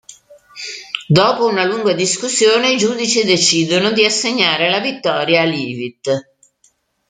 Dopo una lunga discussione, i giudici decidono di assegnare la vittoria a Leavitt.